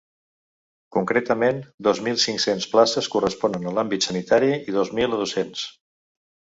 Concretament dos mil cinc-cents places corresponen a l’àmbit sanitari i dos mil a docents.